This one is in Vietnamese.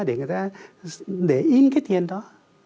để in cái tiền đó